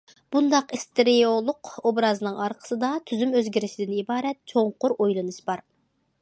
بۇنداق ئىستېرېئولۇق ئوبرازنىڭ ئارقىسىدا تۈزۈم ئۆزگىرىشىدىن ئىبارەت چوڭقۇر ئويلىنىش بار.